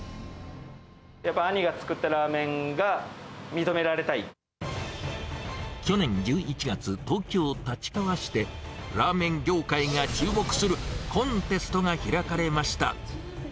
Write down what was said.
やっぱ兄が作ったラーメンが去年１１月、東京・立川市で、ラーメン業界が注目するコンテストが開かれました。